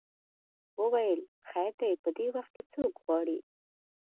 وویل خیر دی په دې وخت کې څوک غواړې.